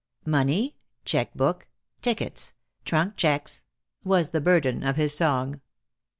"Money. Checkbook. Tickets. Trunk checks," was the burden of his song.